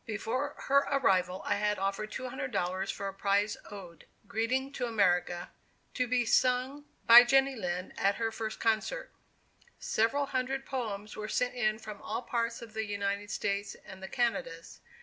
Before her arrival I had offered $200 for a prize ode, "Greeting to America," to be sung by Jenny Lind at her first concert. Several hundred "poems" were sent in from all parts of the United States and the Canadas.